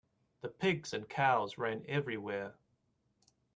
The pigs and cows ran everywhere.